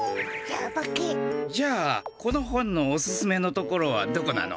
じゃあこの本のオススメのところはどこなの？